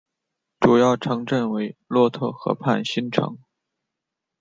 主要城镇为洛特河畔新城。